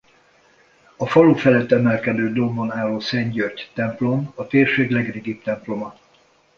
A falu felett emelkedő dombon álló Szent György templom a térség legrégibb temploma.